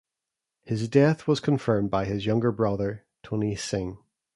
His death was confirmed by his younger brother Tony Hsing.